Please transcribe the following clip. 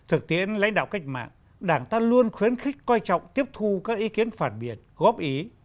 thực tiễn lãnh đạo cách mạng đảng ta luôn khuyến khích coi trọng tiếp thu các ý kiến phản biệt góp ý